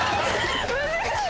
難しい！